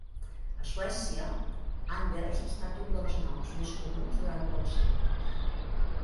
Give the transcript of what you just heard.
A Suècia, Anders ha estat un dels noms més comuns durant molts segles